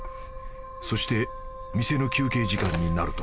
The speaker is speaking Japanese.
［そして店の休憩時間になると］